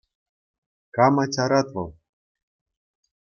Кама чарать вӑл?